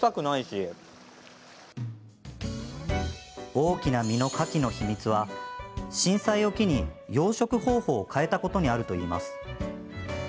大きな身のかきの秘密は震災を機に養殖方法を変えたことにあるといいます。